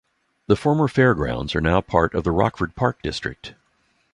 The former fairgrounds are now part of the Rockford Park District.